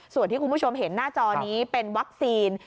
ส่วนที่คุณผู้ชมเห็นหน้าจอนี้เป็นวัคซีน